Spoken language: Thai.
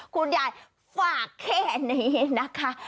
คุณยายฝากแค่นี้นะคะ